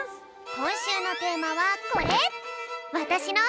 こんしゅうのテーマはこれ！